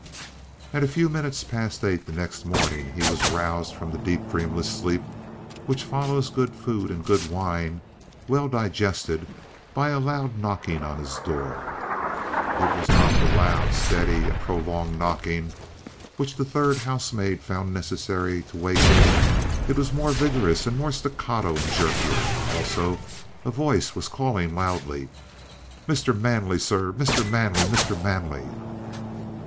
At a few minutes past eight the next morning he was roused from the deep dreamless sleep which follows good food and good wine well digested, by a loud knocking on his door. It was not the loud, steady and prolonged knocking which the third housemaid found necessary to wake him. It was more vigorous and more staccato and jerkier. Also, a voice was calling loudly: "Mr. Manley, sir! Mr. Manley! Mr. Manley!"